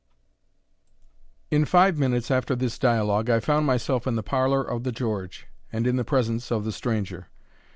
] In five minutes after this dialogue, I found myself in the parlour of the George, and in the presence of the stranger.